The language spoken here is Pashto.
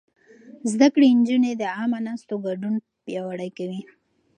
زده کړې نجونې د عامه ناستو ګډون پياوړی کوي.